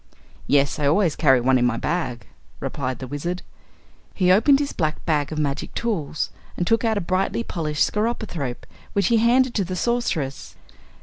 "Yes, I always carry one in my bag," replied the Wizard. He opened his black bag of magic tools and took out a brightly polished skeropythrope, which he handed to the Sorceress.